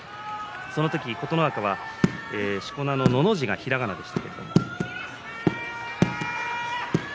その時、琴ノ若はしこ名の、「の」の字がひらがなでした。